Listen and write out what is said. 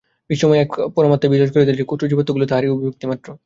বিশ্বময় এক পরমাত্মাই বিরাজ করিতেছেন, ক্ষুদ্র জীবাত্মাগুলি তাঁহারই অভিব্যক্তি-মাত্র।